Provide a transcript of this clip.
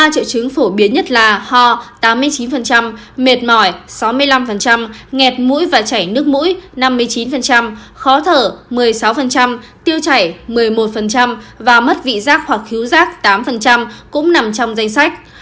ba triệu chứng phổ biến nhất là ho tám mươi chín mệt mỏi sáu mươi năm nghẹt mũi và chảy nước mũi năm mươi chín khó thở một mươi sáu tiêu chảy một mươi một và mất vị giác hoặc khí rác tám cũng nằm trong danh sách